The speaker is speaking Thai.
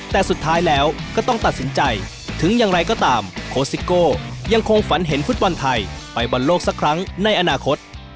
แต่สุดท้ายแล้วก็ต้องตัดสินใจถึงอย่างไรก็ตามโคสิโก้ยังคงฝันเห็นฟุตบอลไทยไปบอลโลกสักครั้งในอนาคต